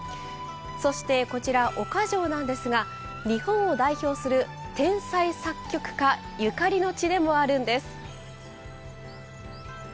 そしてこちら、岡城なんですが日本を代表する天才作曲家ゆかりの地でもあるんです。